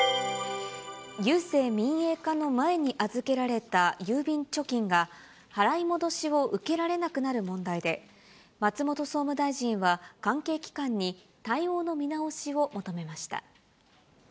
郵政民営化の前に預けられた郵便貯金が、払い戻しを受けられなくなる問題で、松本総務大臣は、関係機関に対応の見直しを求めました。